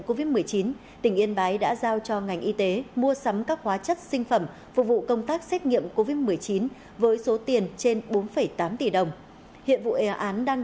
công an tỉnh yên bái cho biết đã quyết định khởi tố vụ án khởi tố bị can và lệnh tạm giam bị can